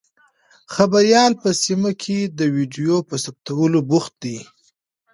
خبریال په سیمه کې د ویډیو په ثبتولو بوخت دی.